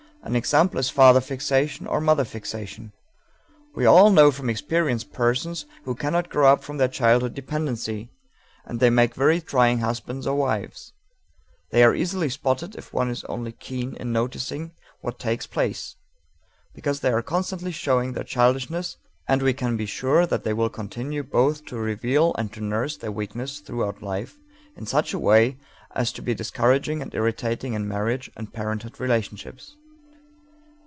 An example is father fixation or mother fixation. We all know from experience persons who cannot grow up from their childhood dependency, and they make very trying husbands or wives. They are easily spotted if one is only keen in noticing what takes place, because they are constantly showing their childishness, and we can be sure that they will continue both to reveal and to nurse their weakness throughout life in such a way as to be discouraging and irritating in marriage and parenthood relationships.